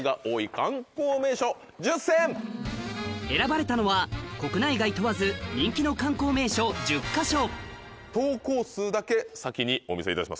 選ばれたのは国内外問わず人気の観光名所１０か所投稿数だけ先にお見せいたします